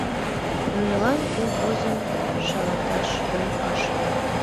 Нунылан колхозым шалаташ йӧн ыш лий.